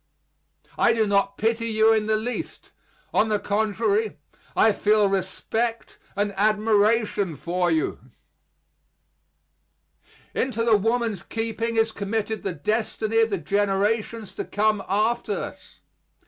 I do not pity you in the least. On the contrary, I feel respect and admiration for you. Into the woman's keeping is committed the destiny of the generations to come after us.